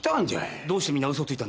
どうしてみんなウソついたんですか？